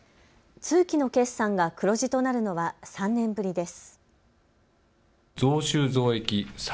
通期の決算が黒字となるのは３年ぶりです。